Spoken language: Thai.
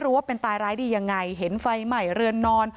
พร้อมด้วยผลตำรวจเอกนรัฐสวิตนันอธิบดีกรมราชทัน